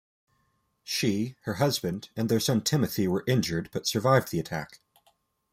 She, her husband, and their son Timothy were injured but survived the attack.